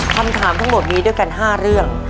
คำถามทั้งหมดมีด้วยกัน๕เรื่อง